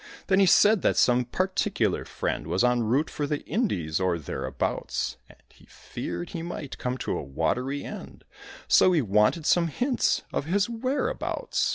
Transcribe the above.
Then he said that some very particular friend Was en route for the Indies, or thereabouts; And he feared he might come to a watery end, So he wanted some hints of his whereabouts.